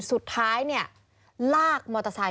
สุดท้ายเนี่ยลากมอเตอร์ไซค